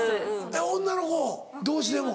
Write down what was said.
女の子同士でも？